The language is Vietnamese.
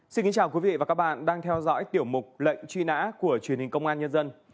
xin kính chào quý vị và các bạn đang theo dõi tiểu mục lệnh truy nã của truyền hình công an nhân dân